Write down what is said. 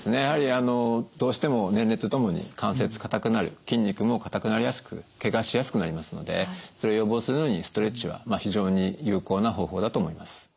やはりどうしても年齢とともに関節かたくなる筋肉もかたくなりやすくけがしやすくなりますのでそれ予防するのにストレッチは非常に有効な方法だと思います。